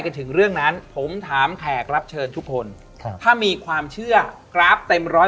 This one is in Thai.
ถึงเรื่องนั้นผมถามแขกรับเชิญทุกคนครับถ้ามีความเชื่อกราฟเต็มร้อย